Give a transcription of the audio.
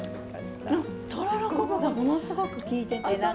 とろろ昆布がものすごく効いてて何か。